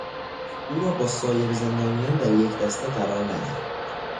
او را با سایر زندانیان در یک دسته قرار نده.